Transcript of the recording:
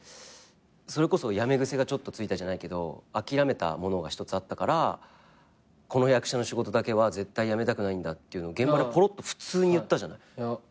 それこそ辞め癖がちょっとついたじゃないけど諦めたものが１つあったからこの役者の仕事だけは絶対辞めたくないんだっていうの現場でぽろっと普通に言ったじゃない。